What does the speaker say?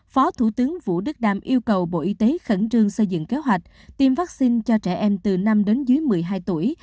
phó thủ tướng vũ đức đam yêu cầu bộ y tế khẩn trương xây dựng kế hoạch tiêm vaccine cho trẻ em từ năm đến dưới một mươi hai tuổi